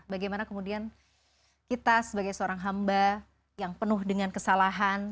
bagaimana kemudian kita sebagai seorang hamba yang penuh dengan kesalahan